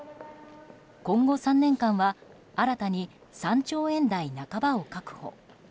今後３年間は新たに３兆円台半ばを確保。